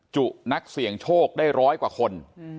นักเสี่ยงโชคได้ร้อยกว่าคน